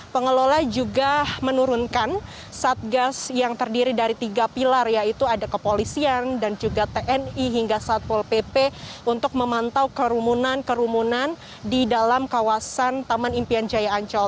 pengelola juga menurunkan satgas yang terdiri dari tiga pilar yaitu ada kepolisian dan juga tni hingga satpol pp untuk memantau kerumunan kerumunan di dalam kawasan taman impian jaya ancol